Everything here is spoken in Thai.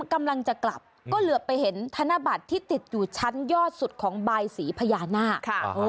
กำลังจะกลับก็เหลือไปเห็นธนบัตรที่ติดอยู่ชั้นยอดสุดของบายสีพญานาค